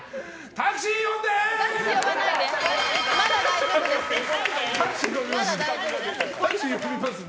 タクシー呼びますんで。